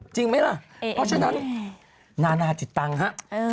จริงไหมล่ะเพราะฉะนั้นนานาจิตตังค์ฮะ